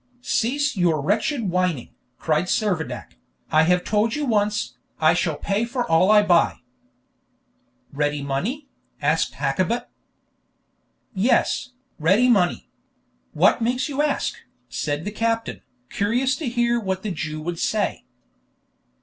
"Cease your wretched whining!" cried Servadac. "I have told you once, I shall pay for all I buy." "Ready money?" asked Hakkabut. "Yes, ready money. What makes you ask?" said the captain, curious to hear what the Jew would say.